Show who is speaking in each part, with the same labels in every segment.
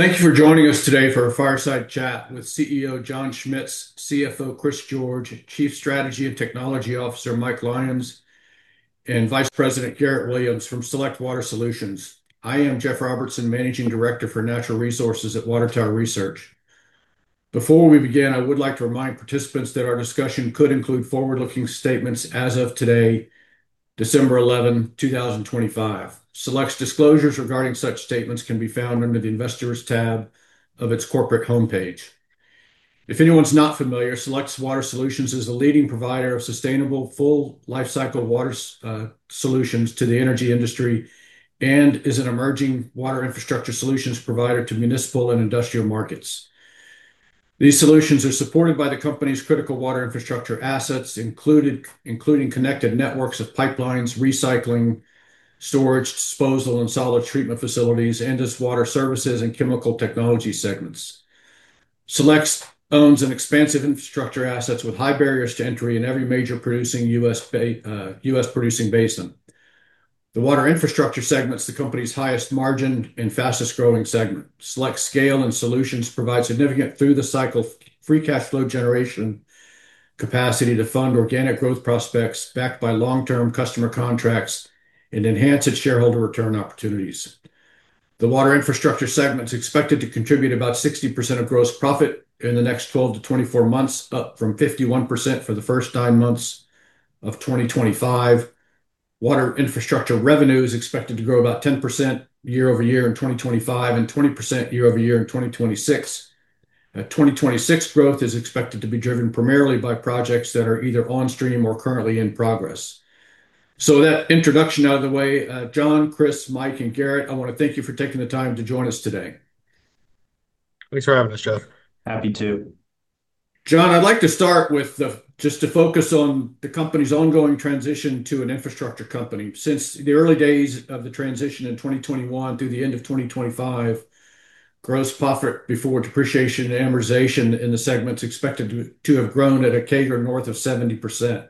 Speaker 1: Thank you for joining us today for a fireside chat with CEO John Schmitz, CFO Chris George, Chief Strategy and Technology Officer Mike Lyons, and Vice President Garrett Williams from Select Water Solutions. I am Jeff Robertson, Managing Director for Natural Resources at Water Tower Research. Before we begin, I would like to remind participants that our discussion could include forward-looking statements as of today, December 11, 2025. Select's disclosures regarding such statements can be found under the Investors tab of its corporate homepage. If anyone's not familiar, Select Water Solutions is the leading provider of sustainable full-life cycle water solutions to the energy industry and is an emerging Water Infrastructure solutions provider to municipal and industrial markets. These solutions are supported by the company's critical Water Infrastructure assets, including connected networks of pipelines, recycling, storage, disposal, and solids treatment facilities, and its Water Services and Chemical Technologies segments. Select owns an expansive infrastructure asset with high barriers to entry in every major producing U.S. basin. The Water Infrastructure segment is the company's highest margin and fastest growing segment. Select's scale and solutions provide significant through-the-cycle free cash flow generation capacity to fund organic growth prospects backed by long-term customer contracts and enhanced shareholder return opportunities. The Water Infrastructure segment is expected to contribute about 60% of gross profit in the next 12-24 months, up from 51% for the first nine months of 2025. Water Infrastructure revenue is expected to grow about 10% year-over-year in 2025 and 20% year-over-year in 2026. 2026 growth is expected to be driven primarily by projects that are either on stream or currently in progress. So that introduction out of the way, John, Chris, Mike, and Garrett, I want to thank you for taking the time to join us today.
Speaker 2: Thanks for having us, Jeff.
Speaker 3: Happy to.
Speaker 1: John, I'd like to start with just to focus on the company's ongoing transition to an infrastructure company. Since the early days of the transition in 2021 through the end of 2025, gross profit before depreciation and amortization in the segments expected to have grown at a CAGR north of 70%.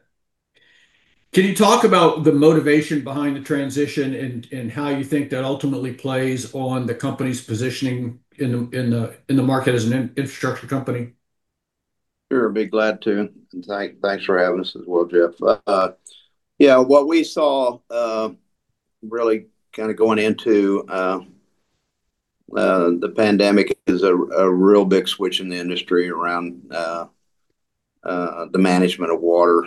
Speaker 1: Can you talk about the motivation behind the transition and how you think that ultimately plays on the company's positioning in the market as an infrastructure company?
Speaker 4: Sure. I'd be glad to. And thanks for having us as well, Jeff. Yeah, what we saw really kind of going into the pandemic is a real big switch in the industry around the management of water.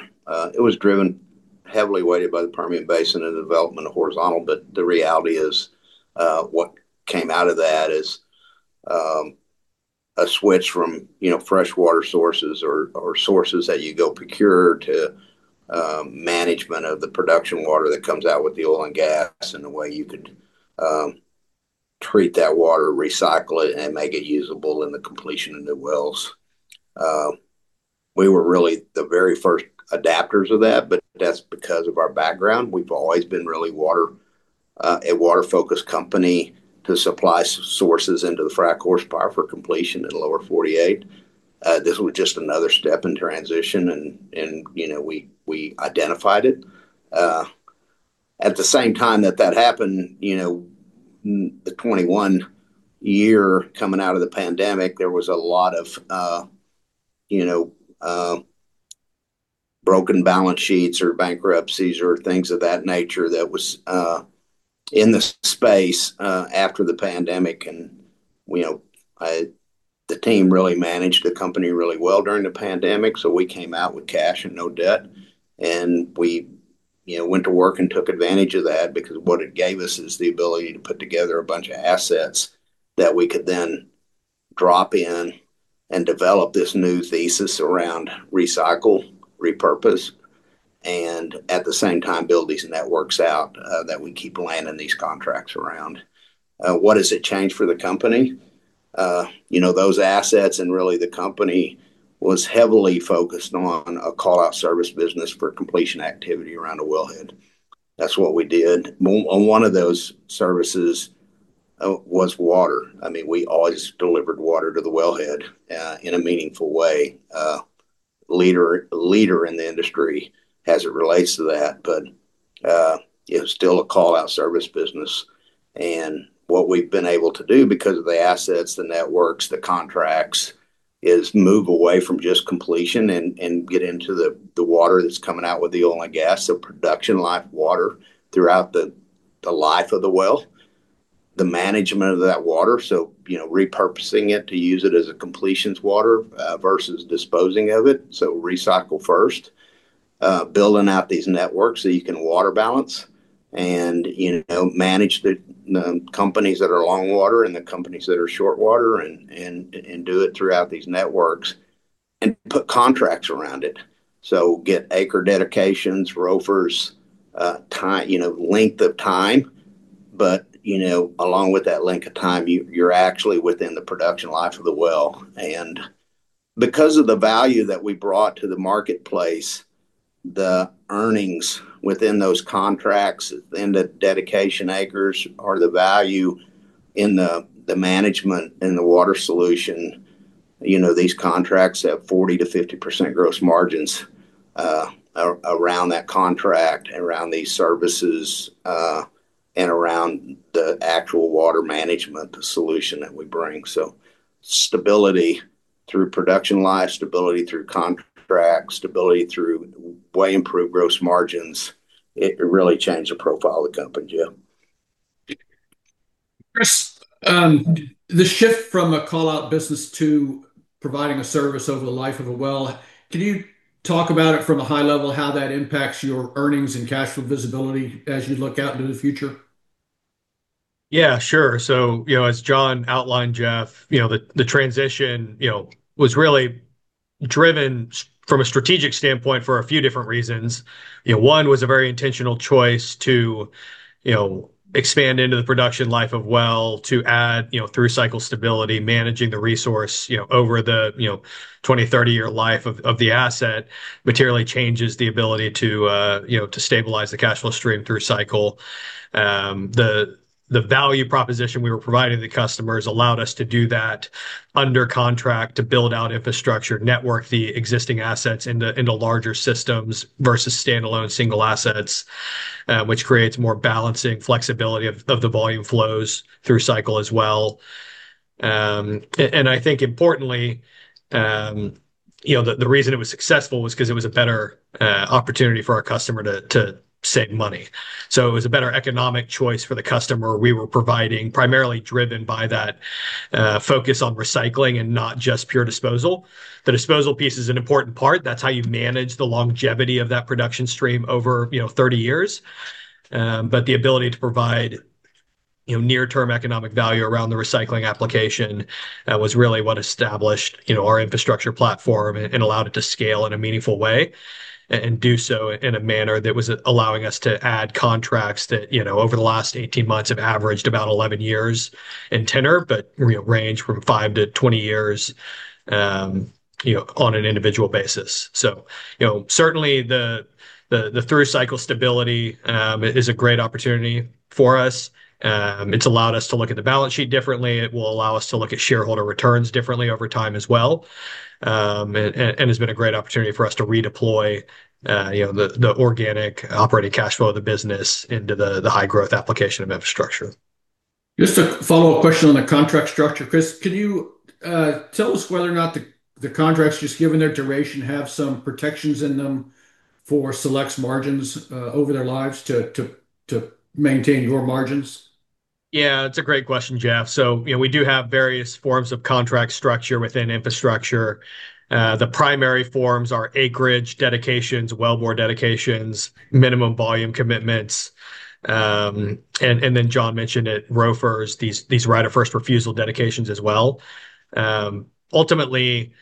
Speaker 4: It was driven heavily weighted by the Permian Basin and the development of horizontal, but the reality is what came out of that is a switch from freshwater sources or sources that you go procure to management of the production water that comes out with the oil and gas and the way you could treat that water, recycle it, and make it usable in the completion of new wells. We were really the very first adopters of that, but that's because of our background. We've always been really a water-focused company to supply sources into the frac horsepower for completion in Lower 48. This was just another step in transition, and we identified it. At the same time that that happened, the 2021 year coming out of the pandemic, there was a lot of broken balance sheets or bankruptcies or things of that nature that was in the space after the pandemic, and the team really managed the company really well during the pandemic, so we came out with cash and no debt, and we went to work and took advantage of that because what it gave us is the ability to put together a bunch of assets that we could then drop in and develop this new thesis around recycle, repurpose, and at the same time, build these networks out that we keep landing these contracts around. What has it changed for the company? Those assets and really the company was heavily focused on a call-out service business for completion activity around a wellhead. That's what we did. One of those services was water. I mean, we always delivered water to the wellhead in a meaningful way. Leader in the industry as it relates to that, but it was still a call-out service business. And what we've been able to do because of the assets, the networks, the contracts, is move away from just completion and get into the water that's coming out with the oil and gas, the production life water throughout the life of the well, the management of that water. So repurposing it to use it as a completion's water versus disposing of it. So recycle first, building out these networks so you can water balance and manage the companies that are long water and the companies that are short water and do it throughout these networks and put contracts around it. So get acreage dedications, ROFRs, length of time. But along with that length of time, you're actually within the production life of the well. And because of the value that we brought to the marketplace, the earnings within those contracts and the dedication acres are the value in the management and the water solution. These contracts have 40%-50% gross margins around that contract, around these services, and around the actual water management solution that we bring. So stability through production life, stability through contract, stability through way improved gross margins, it really changed the profile of the company, Jeff.
Speaker 1: Chris, the shift from a call-out business to providing a service over the life of a well, can you talk about it from a high level, how that impacts your earnings and cash flow visibility as you look out into the future?
Speaker 2: Yeah, sure. So as John outlined, Jeff, the transition was really driven from a strategic standpoint for a few different reasons. One was a very intentional choice to expand into the production life of well to add through cycle stability, managing the resource over the 20-30-year life of the asset materially changes the ability to stabilize the cash flow stream through cycle. The value proposition we were providing to the customers allowed us to do that under contract to build out infrastructure, network the existing assets into larger systems versus standalone single-assets, which creates more balancing flexibility of the volume flows through cycle as well. And I think importantly, the reason it was successful was because it was a better opportunity for our customer to save money. So it was a better economic choice for the customer we were providing, primarily driven by that focus on recycling and not just pure disposal. The disposal piece is an important part. That's how you manage the longevity of that production stream over 30 years. But the ability to provide near-term economic value around the recycling application was really what established our infrastructure platform and allowed it to scale in a meaningful way and do so in a manner that was allowing us to add contracts that over the last 18 months have averaged about 11 years in tenor, but range from 5-20 years on an individual basis. So certainly, the through cycle stability is a great opportunity for us. It's allowed us to look at the balance sheet differently. It will allow us to look at shareholder returns differently over time as well. It's been a great opportunity for us to redeploy the organic operating cash flow of the business into the high-growth application of infrastructure.
Speaker 1: Just a follow-up question on the contract structure, Chris. Can you tell us whether or not the contracts just given their duration have some protections in them for Select's margins over their lives to maintain your margins?
Speaker 2: Yeah, it's a great question, Jeff. So we do have various forms of contract structure within infrastructure. The primary forms are acreage, dedications, wellbore dedications, minimum volume commitments. And then John mentioned it, ROFRs, these right-of-first-refusal dedications as well. Ultimately,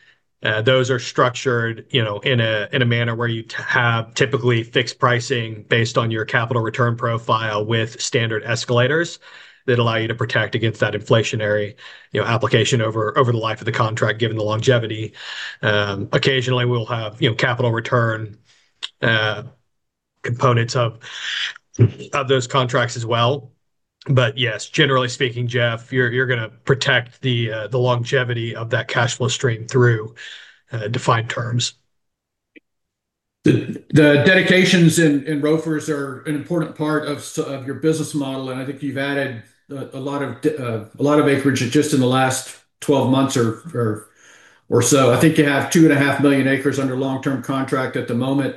Speaker 2: those are structured in a manner where you have typically fixed pricing based on your capital return profile with standard escalators that allow you to protect against that inflationary application over the life of the contract given the longevity. Occasionally, we'll have capital return components of those contracts as well. But yes, generally speaking, Jeff, you're going to protect the longevity of that cash flow stream through defined terms.
Speaker 1: The dedications and ROFRs are an important part of your business model. And I think you've added a lot of acreage just in the last 12 months or so. I think you have 2.5 million acres under long-term contract at the moment.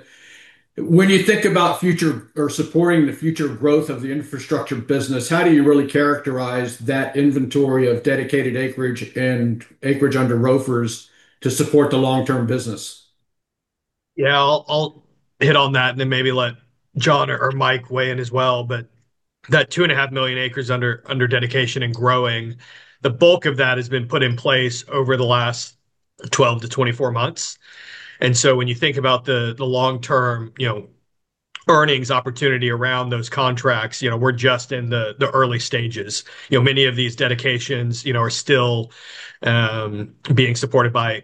Speaker 1: When you think about future or supporting the future growth of the infrastructure business, how do you really characterize that inventory of dedicated acreage and acreage under ROFRs to support the long-term business?
Speaker 2: Yeah, I'll hit on that and then maybe let John or Mike weigh in as well, but that two and a half million acres under dedication and growing, the bulk of that has been put in place over the last 12-24 months, and so when you think about the long-term earnings opportunity around those contracts, we're just in the early stages. Many of these dedications are still being supported by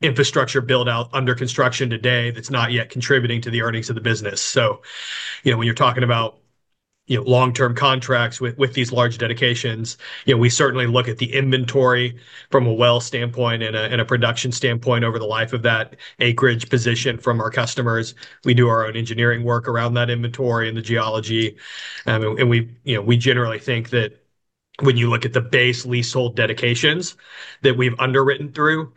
Speaker 2: infrastructure built out under construction today that's not yet contributing to the earnings of the business, so when you're talking about long-term contracts with these large dedications, we certainly look at the inventory from a well standpoint and a production standpoint over the life of that acreage position from our customers. We do our own engineering work around that inventory and the geology. And we generally think that when you look at the base leasehold dedications that we've underwritten through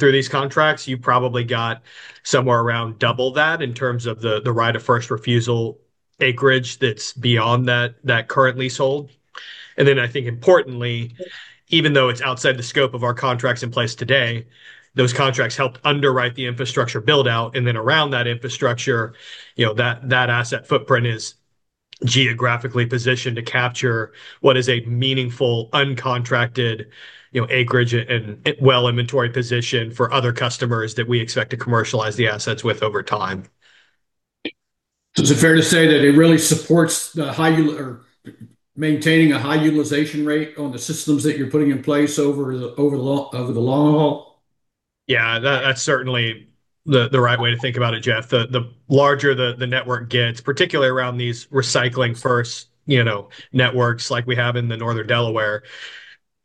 Speaker 2: these contracts, you've probably got somewhere around double that in terms of the right-of-first-refusal acreage that's beyond that current leasehold. And then I think importantly, even though it's outside the scope of our contracts in place today, those contracts help underwrite the infrastructure build-out. And then around that infrastructure, that asset footprint is geographically positioned to capture what is a meaningful uncontracted acreage and well inventory position for other customers that we expect to commercialize the assets with over time.
Speaker 1: So is it fair to say that it really supports the high or maintaining a high utilization rate on the systems that you're putting in place over the long haul?
Speaker 2: Yeah, that's certainly the right way to think about it, Jeff. The larger the network gets, particularly around these recycling-first networks like we have in the Northern Delaware,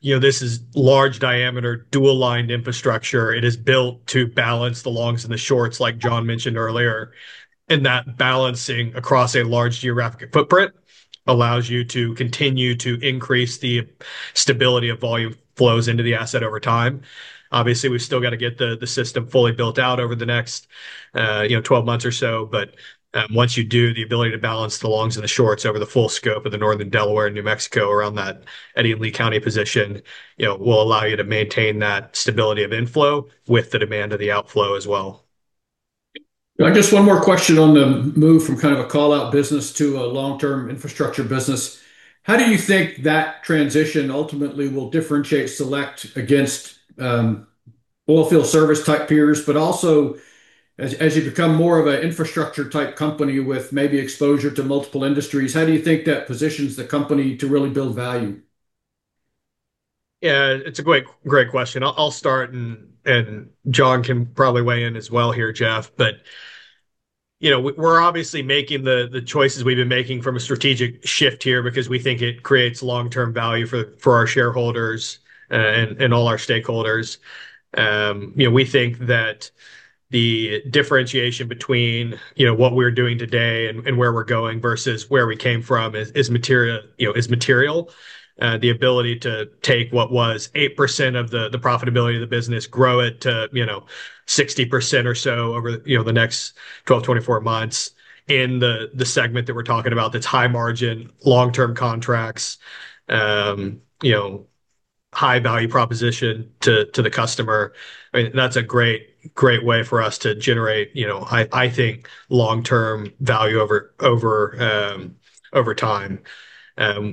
Speaker 2: this is large diameter dual-lined infrastructure. It is built to balance the longs and the shorts, like John mentioned earlier. That balancing across a large geographic footprint allows you to continue to increase the stability of volume flows into the asset over time. Obviously, we've still got to get the system fully built out over the next 12 months or so. But once you do, the ability to balance the longs and the shorts over the full scope of the Northern Delaware and New Mexico around that Lea County position will allow you to maintain that stability of inflow with the demand of the outflow as well.
Speaker 1: Just one more question on the move from kind of a call-out business to a long-term infrastructure business. How do you think that transition ultimately will differentiate Select against oilfield service-type peers, but also as you become more of an infrastructure-type company with maybe exposure to multiple industries, how do you think that positions the company to really build value?
Speaker 2: Yeah, it's a great question. I'll start, and John can probably weigh in as well here, Jeff, but we're obviously making the choices we've been making from a strategic shift here because we think it creates long-term value for our shareholders and all our stakeholders. We think that the differentiation between what we're doing today and where we're going versus where we came from is material. The ability to take what was 8% of the profitability of the business, grow it to 60% or so over the next 12-24 months in the segment that we're talking about that's high margin, long-term contracts, high value proposition to the customer. I mean, that's a great way for us to generate, I think, long-term value over time.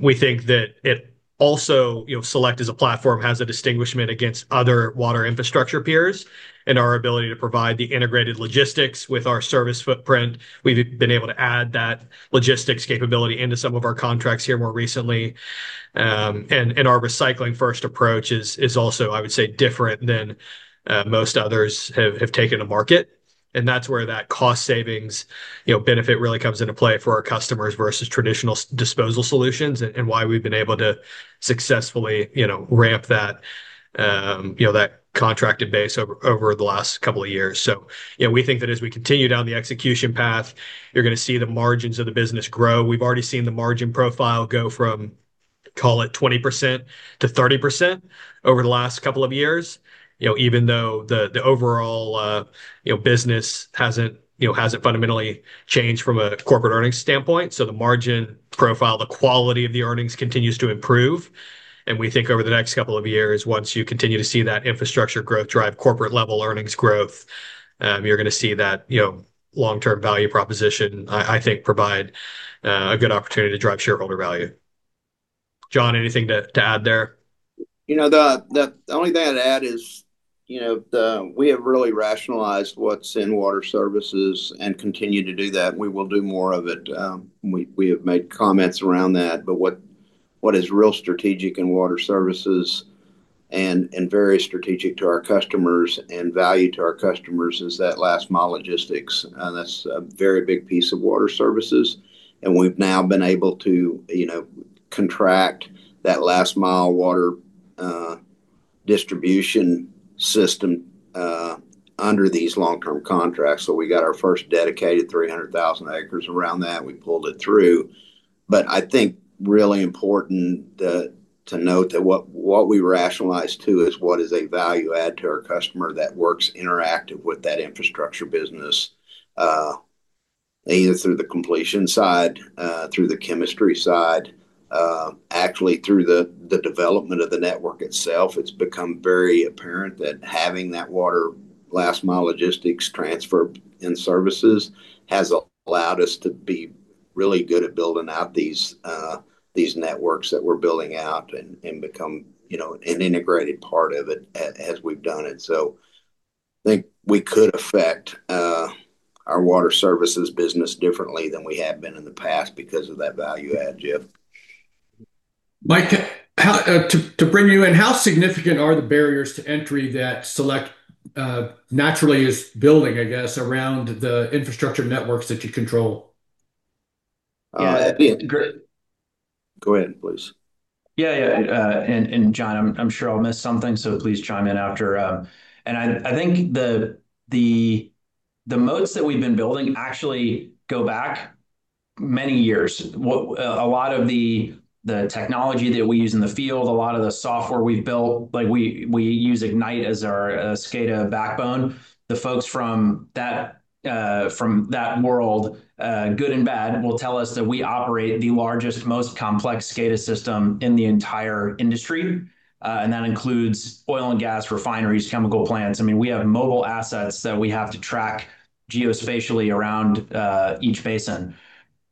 Speaker 2: We think that it also, Select, as a platform has a distinction against other Water Infrastructure peers in our ability to provide the integrated logistics with our service footprint. We've been able to add that logistics capability into some of our contracts here more recently, and our recycling-first approach is also, I would say, different than most others have taken to market. That's where that cost savings benefit really comes into play for our customers versus traditional disposal solutions and why we've been able to successfully ramp that contracted base over the last couple of years, so we think that as we continue down the execution path, you're going to see the margins of the business grow. We've already seen the margin profile go from, call it 20%-30% over the last couple of years, even though the overall business hasn't fundamentally changed from a corporate earnings standpoint. So the margin profile, the quality of the earnings continues to improve, and we think over the next couple of years, once you continue to see that infrastructure growth drive corporate-level earnings growth, you're going to see that long-term value proposition, I think, provide a good opportunity to drive shareholder value. John, anything to add there?
Speaker 4: The only thing I'd add is we have really rationalized what's in Water Services and continue to do that. We will do more of it. We have made comments around that. But what is real strategic in Water Services and very strategic to our customers and value to our customers is that last mile logistics. That's a very big piece of Water Services. And we've now been able to contract that last mile water distribution system under these long-term contracts. So we got our first dedicated 300,000 acres around that. We pulled it through. But I think really important to note that what we rationalized to is what is a value add to our customer that works interactive with that Water Infrastructure business, either through the completion side, through the chemistry side, actually through the development of the network itself. It's become very apparent that having that water last mile logistics transfer in services has allowed us to be really good at building out these networks that we're building out and become an integrated part of it as we've done it. So I think we could affect our water services business differently than we have been in the past because of that value add, Jeff.
Speaker 1: Mike, to bring you in, how significant are the barriers to entry that Select naturally is building, I guess, around the infrastructure networks that you control?
Speaker 4: Yeah. Go ahead, please.
Speaker 3: Yeah, yeah. And John, I'm sure I'll miss something. So please chime in after. And I think the moats that we've been building actually go back many years. A lot of the technology that we use in the field, a lot of the software we've built, we use Ignition as our SCADA backbone. The folks from that world, good and bad, will tell us that we operate the largest, most complex SCADA system in the entire industry. And that includes oil and gas refineries, chemical plants. I mean, we have mobile assets that we have to track geospatially around each basin.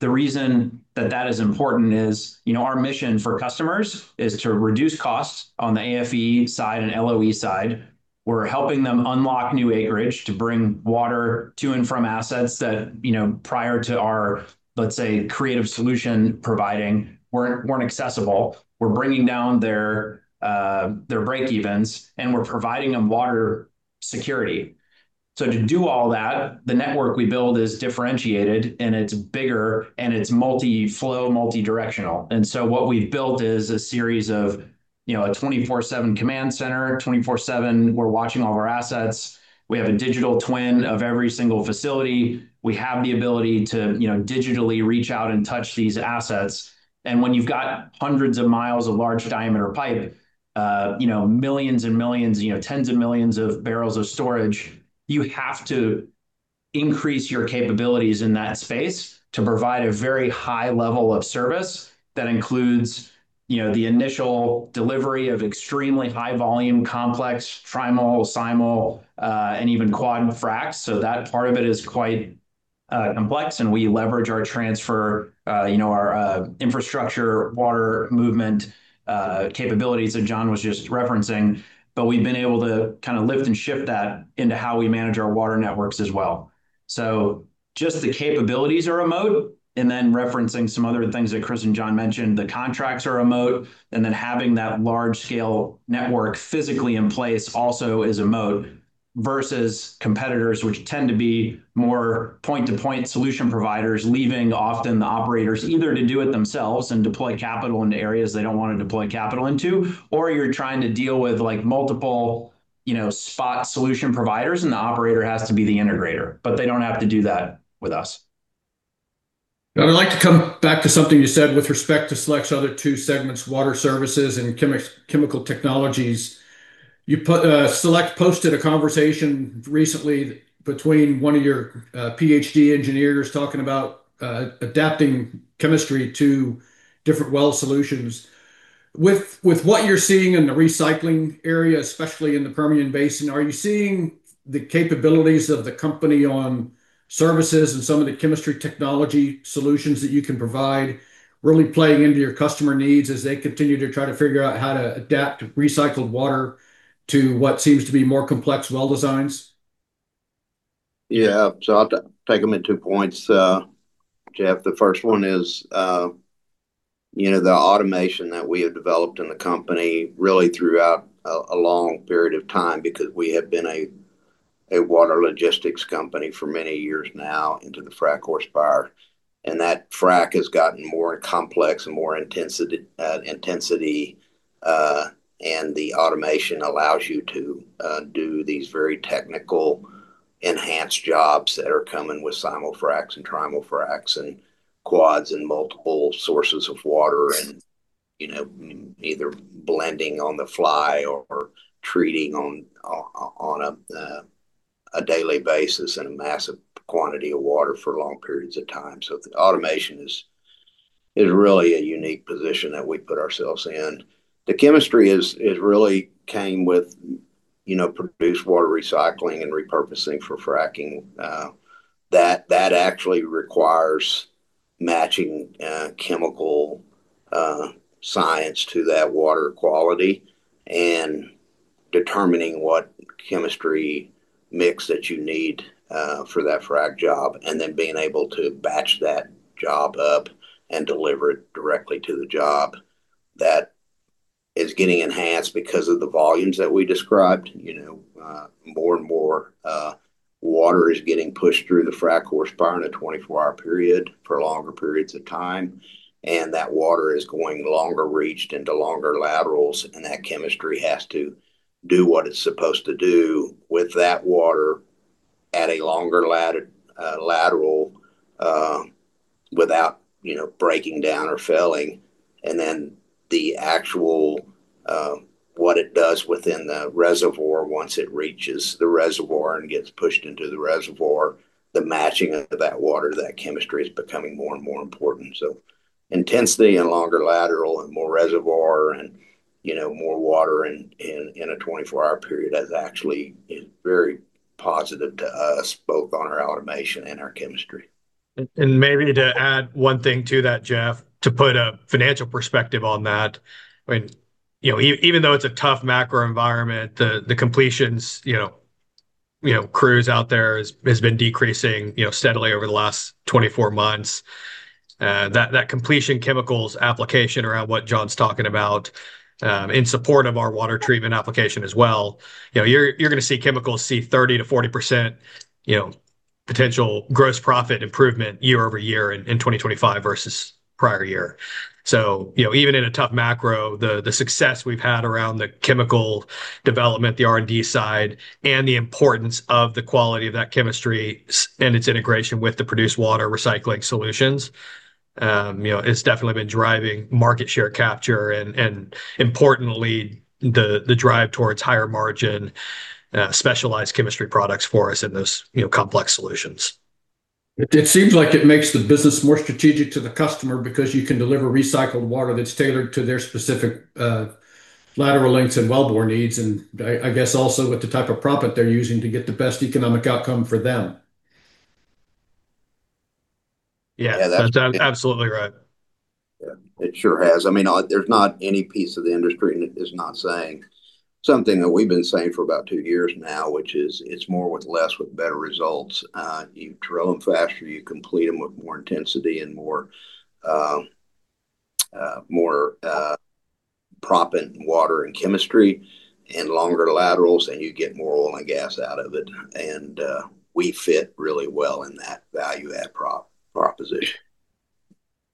Speaker 3: The reason that that is important is our mission for customers is to reduce costs on the AFE side and LOE side. We're helping them unlock new acreage to bring water to and from assets that prior to our, let's say, creative solution providing weren't accessible. We're bringing down their breakevens, and we're providing them water security, so to do all that, the network we build is differentiated, and it's bigger, and it's multi-flow, multi-directional, and so what we've built is a series of a 24/7 command center. 24/7, we're watching all of our assets. We have a digital twin of every single facility. We have the ability to digitally reach out and touch these assets, and when you've got hundreds of miles of large diameter pipe, millions and millions, tens of millions of barrels of storage, you have to increase your capabilities in that space to provide a very high level of service that includes the initial delivery of extremely high volume complex trimul, simul, and even quad fracs, so that part of it is quite complex, and we leverage our transfer, our infrastructure, water movement capabilities that John was just referencing. But we've been able to kind of lift and shift that into how we manage our water networks as well. So just the capabilities are a moat. And then referencing some other things that Chris and John mentioned, the contracts are a moat. And then having that large-scale network physically in place also is a moat versus competitors, which tend to be more point-to-point solution providers, leaving often the operators either to do it themselves and deploy capital into areas they don't want to deploy capital into, or you're trying to deal with multiple spot solution providers, and the operator has to be the integrator, but they don't have to do that with us.
Speaker 1: I'd like to come back to something you said with respect to Select's other two segments, water services and chemical technologies. Select posted a conversation recently between one of your PhD engineers talking about adapting chemistry to different well solutions. With what you're seeing in the recycling area, especially in the Permian Basin, are you seeing the capabilities of the company on services and some of the chemistry technology solutions that you can provide really playing into your customer needs as they continue to try to figure out how to adapt recycled water to what seems to be more complex well designs?
Speaker 4: Yeah. So I'll take them in two points, Jeff. The first one is the automation that we have developed in the company really throughout a long period of time because we have been a water logistics company for many years now into the frac horsepower. And that frac has gotten more complex and more intensity. And the automation allows you to do these very technical enhanced jobs that are coming with simul-fracs and trimul-fracs and quads and multiple sources of water and either blending on the fly or treating on a daily basis and a massive quantity of water for long periods of time. So automation is really a unique position that we put ourselves in. The chemistry really came with produced water recycling and repurposing for fracturing. That actually requires matching chemical science to that water quality and determining what chemistry mix that you need for that frac job and then being able to batch that job up and deliver it directly to the job. That is getting enhanced because of the volumes that we described. More and more water is getting pushed through the frac horsepower in a 24-hour period for longer periods of time. And that water is going longer reach into longer laterals. And that chemistry has to do what it's supposed to do with that water at a longer lateral without breaking down or failing. And then the actual what it does within the reservoir once it reaches the reservoir and gets pushed into the reservoir, the matching of that water, that chemistry is becoming more and more important. Intensity and longer lateral and more reservoir and more water in a 24-hour period has actually is very positive to us, both on our automation and our chemistry.
Speaker 2: Maybe to add one thing to that, Jeff, to put a financial perspective on that. I mean, even though it's a tough macro environment, the completions crews out there has been decreasing steadily over the last 24 months. That completion chemicals application around what John's talking about in support of our water treatment application as well, you're going to see chemicals see 30%-40% potential gross profit improvement year-over-year in 2025 versus prior year. So even in a tough macro, the success we've had around the chemical development, the R&D side, and the importance of the quality of that chemistry and its integration with the produced water recycling solutions has definitely been driving market share capture and, importantly, the drive towards higher margin specialized chemistry products for us in those complex solutions.
Speaker 1: It seems like it makes the business more strategic to the customer because you can deliver recycled water that's tailored to their specific lateral lengths and wellbore needs, and I guess also with the type of proppant they're using to get the best economic outcome for them.
Speaker 2: Yeah. That's absolutely right.
Speaker 4: Yeah. It sure has. I mean, there's not any piece of the industry and it is not saying something that we've been saying for about two years now, which is it's more with less with better results. You drill them faster, you complete them with more intensity and more produced water and chemistry and longer laterals, and you get more oil and gas out of it, and we fit really well in that value add proposition.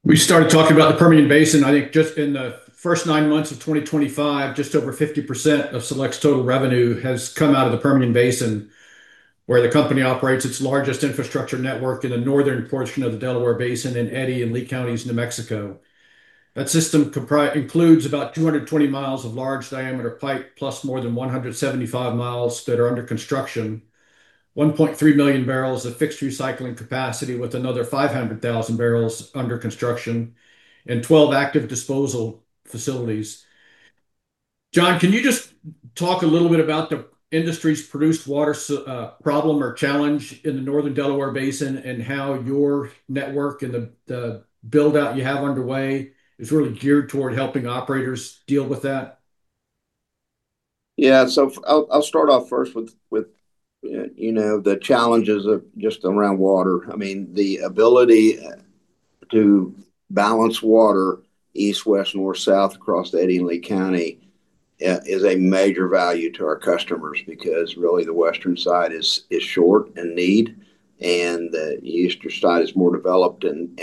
Speaker 1: We started talking about the Permian Basin. I think just in the first nine months of 2025, just over 50% of Select's total revenue has come out of the Permian Basin, where the company operates its largest infrastructure network in the northern portion of the Delaware Basin in Eddy and Lea Counties, New Mexico. That system includes about 220 miles of large diameter pipe plus more than 175 miles that are under construction, 1.3 million barrels of fixed recycling capacity with another 500,000 barrels under construction, and 12 active disposal facilities. John, can you just talk a little bit about the industry's produced water problem or challenge in the Northern Delaware Basin and how your network and the buildout you have underway is really geared toward helping operators deal with that?
Speaker 4: Yeah. So I'll start off first with the challenges of just around water. I mean, the ability to balance water east, west, north, south across the Eddy and Lea County is a major value to our customers because really the western side is short and needy, and the eastern side is more developed and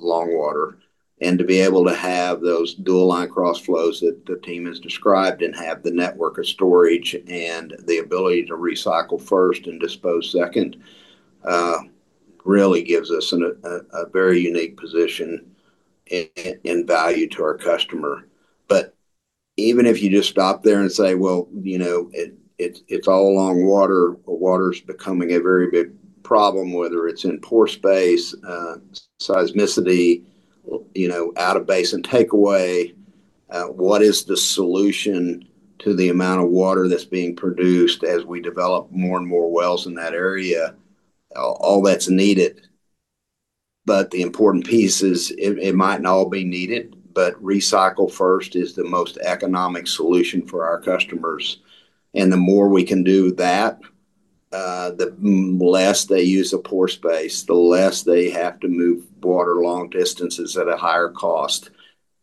Speaker 4: long water. And to be able to have those dual line crossflows that the team has described and have the network of storage and the ability to recycle first and dispose second really gives us a very unique position and value to our customer. But even if you just stop there and say, "Well, it's all long water," water's becoming a very big problem, whether it's in pore space, seismicity, out-of-basin takeaway. What is the solution to the amount of water that's being produced as we develop more and more wells in that area? All that's needed, but the important piece is it might not all be needed, but recycle first is the most economic solution for our customers. And the more we can do that, the less they use a pore space, the less they have to move water long distances at a higher cost,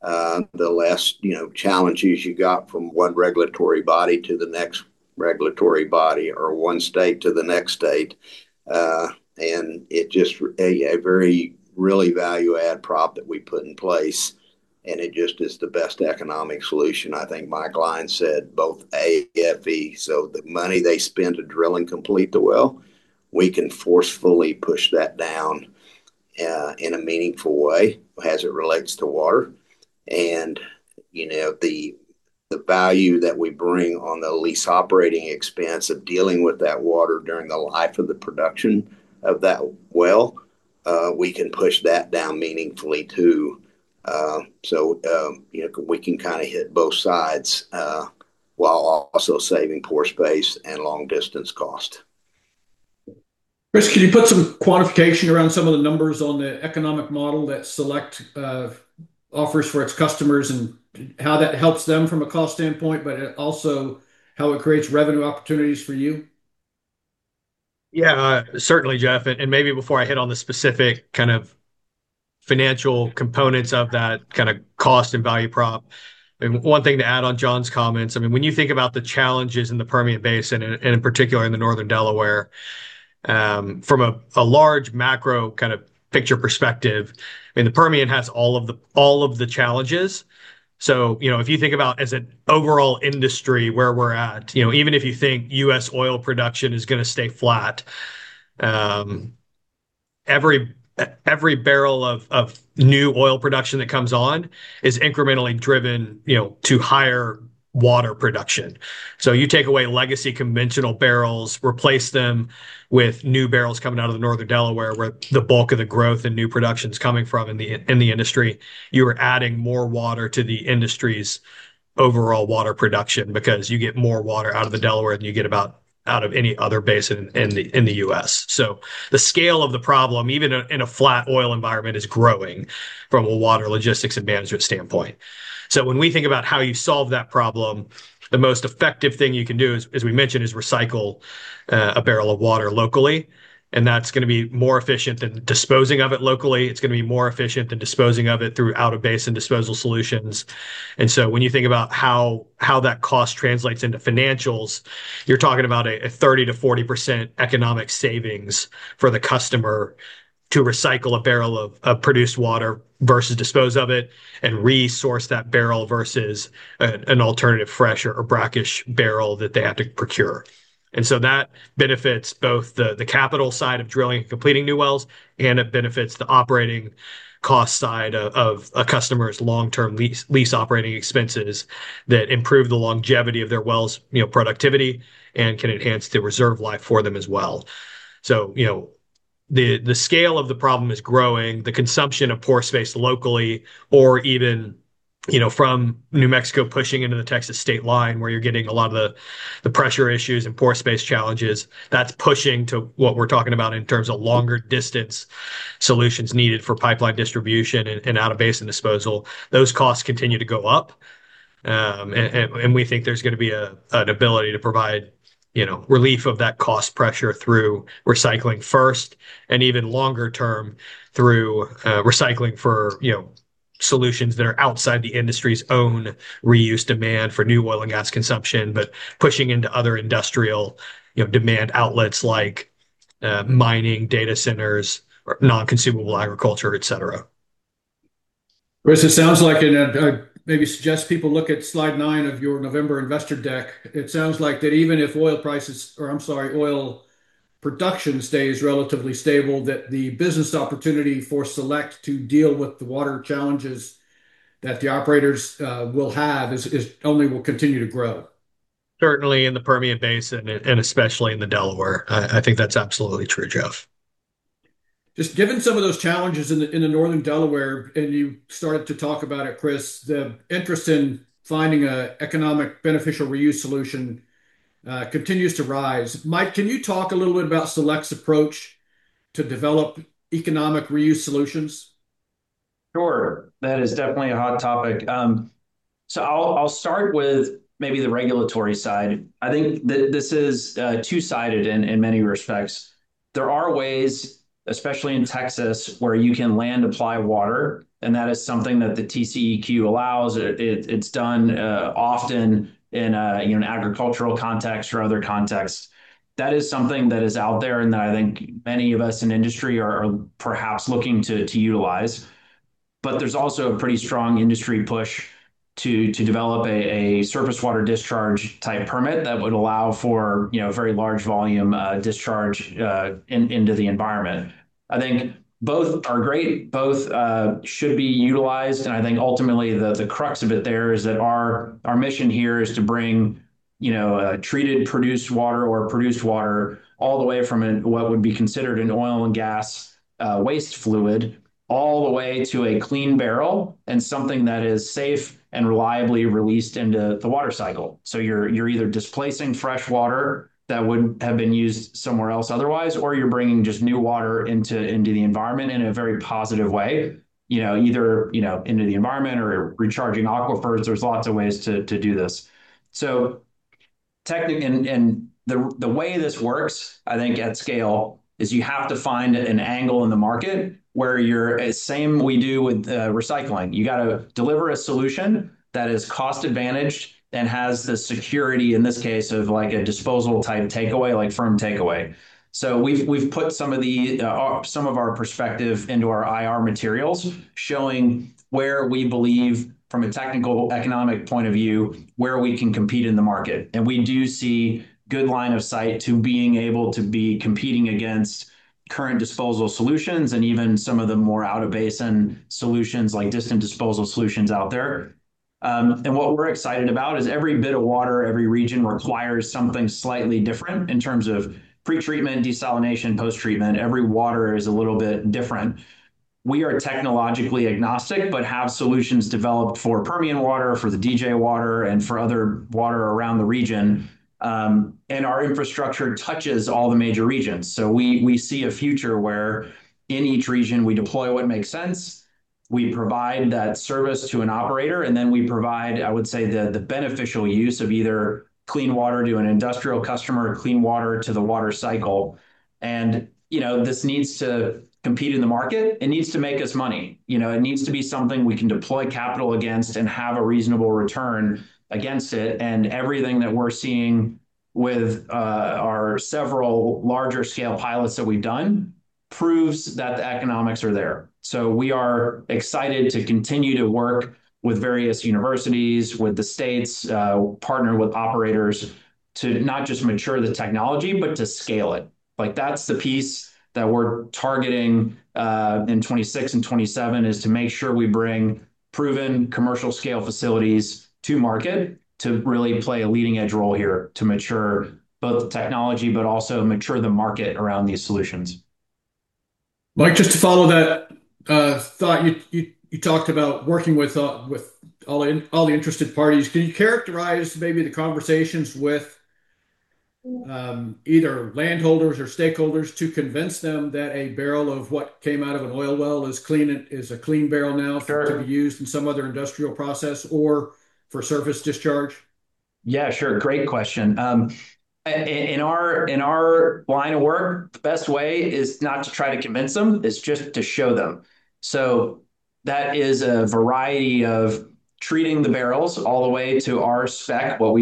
Speaker 4: the less challenges you got from one regulatory body to the next regulatory body or one state to the next state. And it's just a very real value-add prop that we put in place, and it just is the best economic solution. I think Mike Lyons said the AFE. So the money they spend to drill and complete the well, we can forcefully push that down in a meaningful way as it relates to water. And the value that we bring on the Lease Operating Expense of dealing with that water during the life of the production of that well. We can push that down meaningfully too. So we can kind of hit both sides while also saving pore space and long distance cost.
Speaker 1: Chris, can you put some quantification around some of the numbers on the economic model that Select offers for its customers and how that helps them from a cost standpoint, but also how it creates revenue opportunities for you?
Speaker 2: Yeah, certainly, Jeff. And maybe before I hit on the specific kind of financial components of that kind of cost and value prop, I mean, one thing to add on John's comments. I mean, when you think about the challenges in the Permian Basin and in particular in the Northern Delaware Basin, from a large macro kind of picture perspective, I mean, the Permian has all of the challenges. So if you think about as an overall industry where we're at, even if you think U.S. oil production is going to stay flat, every barrel of new oil production that comes on is incrementally driven to higher water production. So you take away legacy conventional barrels, replace them with new barrels coming out of the Northern Delaware, where the bulk of the growth and new production is coming from in the industry, you are adding more water to the industry's overall water production because you get more water out of the Delaware than you get out of any other basin in the U.S. So the scale of the problem, even in a flat oil environment, is growing from a water logistics and management standpoint. So when we think about how you solve that problem, the most effective thing you can do, as we mentioned, is recycle a barrel of water locally. And that's going to be more efficient than disposing of it locally. It's going to be more efficient than disposing of it through out-of-basin disposal solutions. When you think about how that cost translates into financials, you're talking about a 30%-40% economic savings for the customer to recycle a barrel of produced water versus dispose of it and resource that barrel versus an alternative fresh or brackish barrel that they have to procure. That benefits both the capital side of drilling and completing new wells, and it benefits the operating cost side of a customer's long-term lease operating expenses that improve the longevity of their well's productivity and can enhance the reserve life for them as well. The scale of the problem is growing. The consumption of pore space locally or even from New Mexico pushing into the Texas state line where you're getting a lot of the pressure issues and pore space challenges, that's pushing to what we're talking about in terms of longer distance solutions needed for pipeline distribution and out-of-basin disposal. Those costs continue to go up, and we think there's going to be an ability to provide relief of that cost pressure through recycling first and even longer term through recycling for solutions that are outside the industry's own reuse demand for new oil and gas consumption, but pushing into other industrial demand outlets like mining, data centers, non-consumable agriculture, etc.
Speaker 1: Chris, it sounds like, and I maybe suggest people look at slide nine of your November investor deck. It sounds like that even if oil prices or I'm sorry, oil production stays relatively stable, that the business opportunity for Select to deal with the water challenges that the operators will have only will continue to grow.
Speaker 2: Certainly in the Permian Basin and especially in the Delaware. I think that's absolutely true, Jeff.
Speaker 1: Just given some of those challenges in the Northern Delaware, and you started to talk about it, Chris, the interest in finding an economically beneficial reuse solution continues to rise. Mike, can you talk a little bit about Select's approach to develop economic reuse solutions?
Speaker 3: Sure. That is definitely a hot topic. So I'll start with maybe the regulatory side. I think that this is two-sided in many respects. There are ways, especially in Texas, where you can land apply water, and that is something that the TCEQ allows. It's done often in an agricultural context or other context. That is something that is out there and that I think many of us in industry are perhaps looking to utilize. But there's also a pretty strong industry push to develop a surface water discharge type permit that would allow for a very large volume discharge into the environment. I think both are great. Both should be utilized. I think ultimately the crux of it there is that our mission here is to bring treated produced water or produced water all the way from what would be considered an oil and gas waste fluid all the way to a clean barrel and something that is safe and reliably released into the water cycle. You’re either displacing fresh water that would have been used somewhere else otherwise, or you’re bringing just new water into the environment in a very positive way, either into the environment or recharging aquifers. There’s lots of ways to do this. The way this works, I think at scale, is you have to find an angle in the market where you’re saying we do with recycling. You got to deliver a solution that is cost advantaged and has the security in this case of a disposal type takeaway, like firm takeaway. We've put some of our perspective into our IR materials showing where we believe from a technical economic point of view where we can compete in the market. We do see good line of sight to being able to be competing against current disposal solutions and even some of the more out-of-basin solutions like distant disposal solutions out there. What we're excited about is every bit of water, every region requires something slightly different in terms of pretreatment, desalination, post-treatment. Every water is a little bit different. We are technologically agnostic but have solutions developed for Permian water, for the DJ water, and for other water around the region. Our infrastructure touches all the major regions. We see a future where in each region we deploy what makes sense. We provide that service to an operator, and then we provide, I would say, the beneficial use of either clean water to an industrial customer, clean water to the water cycle, and this needs to compete in the market. It needs to make us money. It needs to be something we can deploy capital against and have a reasonable return against it, and everything that we're seeing with our several larger scale pilots that we've done proves that the economics are there, so we are excited to continue to work with various universities, with the states, partner with operators to not just mature the technology, but to scale it. That's the piece that we're targeting in 2026 and 2027 is to make sure we bring proven commercial scale facilities to market to really play a leading edge role here to mature both the technology, but also mature the market around these solutions.
Speaker 1: Mike, just to follow that thought, you talked about working with all the interested parties. Can you characterize maybe the conversations with either landholders or stakeholders to convince them that a barrel of what came out of an oil well is a clean barrel now to be used in some other industrial process or for surface discharge?
Speaker 3: Yeah, sure. Great question. In our line of work, the best way is not to try to convince them, it's just to show them. So that is a variety of treating the barrels all the way to our spec, what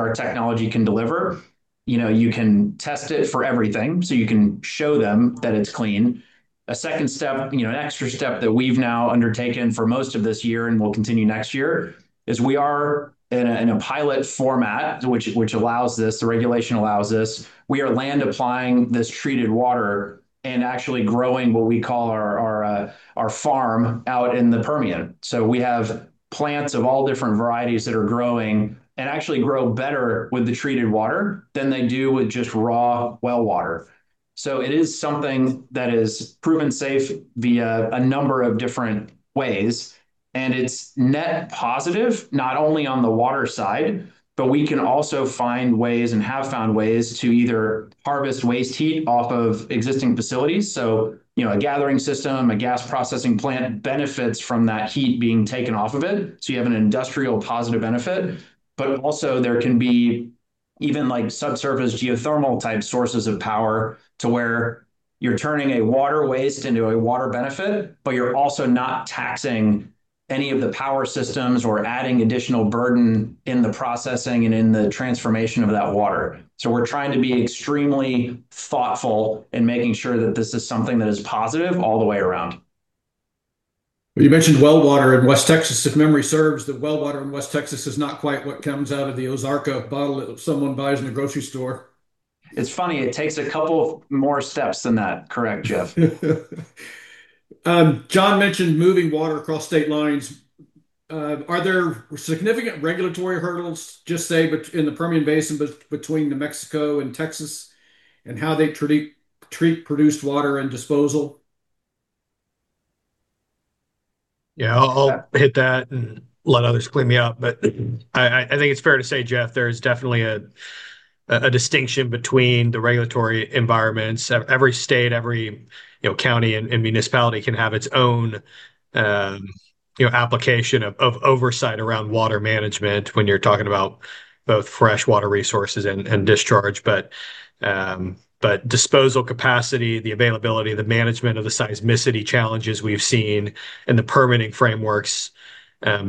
Speaker 3: our technology can deliver. You can test it for everything. So you can show them that it's clean. A second step, an extra step that we've now undertaken for most of this year and we'll continue next year is we are in a pilot format, which allows this, the regulation allows this. We are land applying this treated water and actually growing what we call our farm out in the Permian. So we have plants of all different varieties that are growing and actually grow better with the treated water than they do with just raw well water. So it is something that is proven safe via a number of different ways. And it's net positive, not only on the water side, but we can also find ways and have found ways to either harvest waste heat off of existing facilities. So a gathering system, a gas processing plant benefits from that heat being taken off of it. So you have an industrial positive benefit. But also there can be even subsurface geothermal type sources of power to where you're turning a water waste into a water benefit, but you're also not taxing any of the power systems or adding additional burden in the processing and in the transformation of that water. So we're trying to be extremely thoughtful in making sure that this is something that is positive all the way around.
Speaker 1: You mentioned well water in West Texas. If memory serves, the well water in West Texas is not quite what comes out of the Ozarka bottle that someone buys in the grocery store.
Speaker 3: It's funny. It takes a couple more steps than that. Correct, Jeff.
Speaker 1: John mentioned moving water across state lines. Are there significant regulatory hurdles just say in the Permian Basin between New Mexico and Texas and how they treat produced water and disposal?
Speaker 2: Yeah, I'll hit that and let others clean me up. But I think it's fair to say, Jeff, there is definitely a distinction between the regulatory environments. Every state, every county and municipality can have its own application of oversight around water management when you're talking about both freshwater resources and discharge. But disposal capacity, the availability, the management of the seismicity challenges we've seen and the permitting frameworks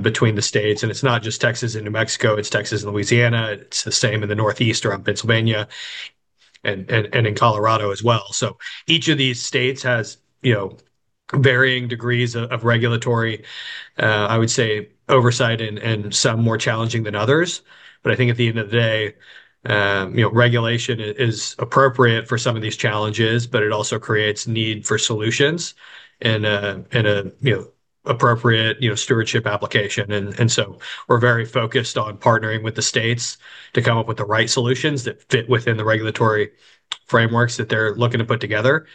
Speaker 2: between the states. And it's not just Texas and New Mexico. It's Texas and Louisiana. It's the same in the northeast around Pennsylvania and in Colorado as well. So each of these states has varying degrees of regulatory, I would say, oversight and some more challenging than others. But I think at the end of the day, regulation is appropriate for some of these challenges, but it also creates need for solutions and an appropriate stewardship application. And so we're very focused on partnering with the states to come up with the right solutions that fit within the regulatory frameworks that they're looking to put together.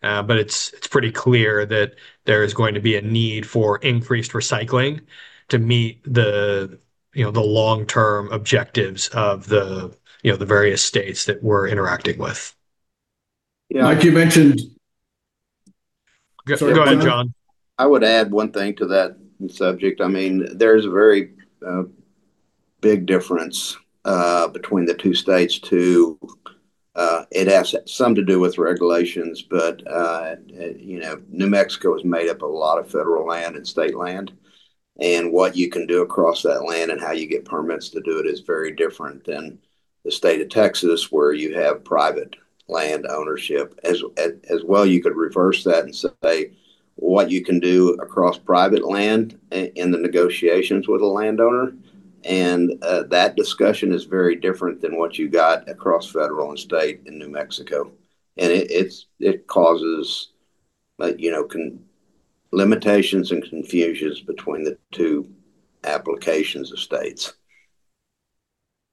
Speaker 2: But it's pretty clear that there is going to be a need for increased recycling to meet the long-term objectives of the various states that we're interacting with.
Speaker 4: Yeah.
Speaker 1: Mike, you mentioned.
Speaker 2: Go ahead, John.
Speaker 4: I would add one thing to that subject. I mean, there's a very big difference between the two states too. It has some to do with regulations, but New Mexico is made up of a lot of federal land and state land. And what you can do across that land and how you get permits to do it is very different than the state of Texas where you have private land ownership. As well, you could reverse that and say what you can do across private land in the negotiations with a landowner. And that discussion is very different than what you got across federal and state in New Mexico. And it causes limitations and confusions between the two applications of states.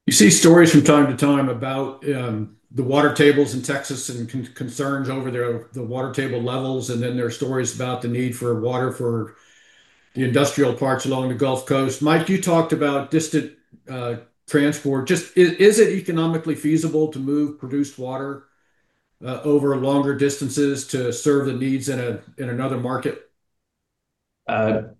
Speaker 1: You see stories from time to time about the water tables in Texas and concerns over the water table levels, and then there are stories about the need for water for the industrial parts along the Gulf Coast. Mike, you talked about distant transport. Just is it economically feasible to move produced water over longer distances to serve the needs in another market?